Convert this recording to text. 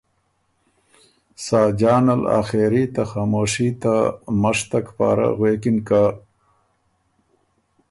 ساجان ال آخېري ته خاموشي ته مشتک پاره غوېکِن که:ـــ